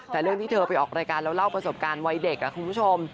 แต่เรื่องที่เธอไปออกรายการแล้วเล่าประสบการณ์วัยเด็กคุณผู้ชม